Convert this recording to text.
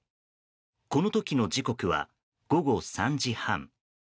この時の時刻は午後３時半。